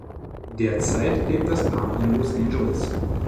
Derzeit lebt das Paar in Los Angeles.